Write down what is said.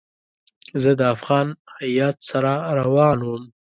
زه د افغان هیات سره روان وم.